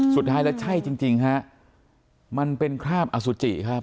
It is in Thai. สุดท้ายแล้วใช่จริงฮะมันเป็นคราบอสุจิครับ